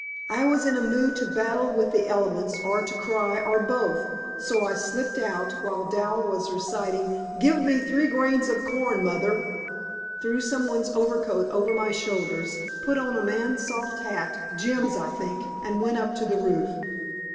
I was in a mood to battle with the elements or to cry or both so I slipped out, while Dal was reciting "Give me three grains of corn, mother," threw somebody's overcoat over my shoulders, put on a man's soft hat Jim's I think and went up to the roof.